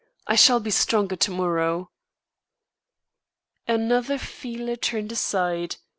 I shall be stronger to morrow." Another feeler turned aside.